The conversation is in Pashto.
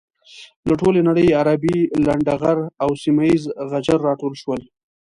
له ټولې نړۍ عربي لنډه غر او سيمه یيز غجر راټول شول.